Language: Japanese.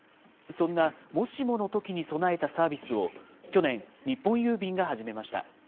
そんなもしもの時に備えたサービスを、去年、日本郵便が始めました。